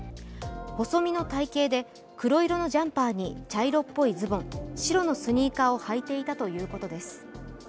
細身の体型で黒色のジャンパーに茶色っぽいズボン、白のスニーカーを履いていたということです。